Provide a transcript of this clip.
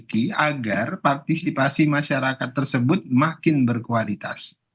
kita agar partisipasi masyarakat tersebut makin berkualitas